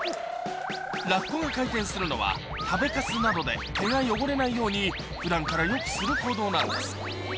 ラッコが回転するのは食べかすなどで毛が汚れないように普段からよくする行動なんです